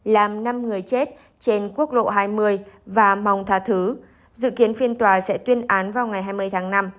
làm năm người chết trên quốc lộ hai mươi và mong thà thứ dự kiến phiên tòa sẽ tuyên án vào ngày hai mươi tháng năm